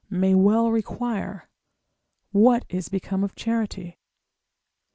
may well require what is become of charity?